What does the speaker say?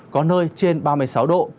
có nơi trên ba mươi sáu độ